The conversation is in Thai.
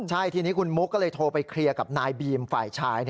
ใช่ทีนี้คุณมุกก็เลยโทรไปเคลียร์กับนายบีมฝ่ายชาย